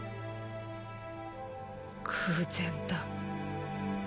偶然だ。